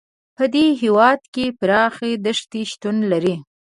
په دې هېوادونو کې پراخې دښتې شتون لري.